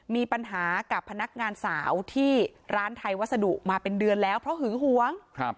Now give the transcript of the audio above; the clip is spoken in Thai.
มีปัญหากับพนักงานสาวที่ร้านไทยวัสดุมาเป็นเดือนแล้วเพราะหึงหวง